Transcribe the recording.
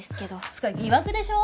つうか疑惑でしょ？